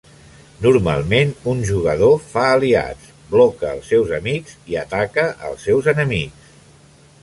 Normalment un jugador fa aliats, bloca els seus amics i ataca als seus enemics.